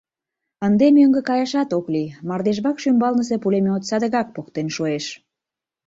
Ынде мӧҥгӧ каяшат ок лий, мардежвакш ӱмбалнысе пулемёт садыгак «поктен шуэш».